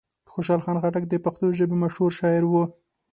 خوشحال خان خټک د پښتو ژبې مشهور شاعر و.